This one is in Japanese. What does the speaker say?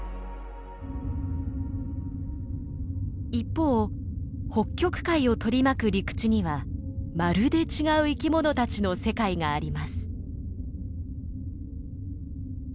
一方北極海を取り巻く陸地にはまるで違う生きものたちの世界があります。